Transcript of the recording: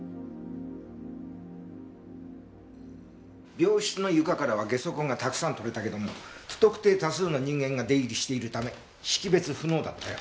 病室の床からはゲソ痕がたくさん採れたけども不特定多数の人間が出入りしているため識別不能だったよ。